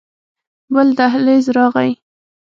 بل دهليز راغى.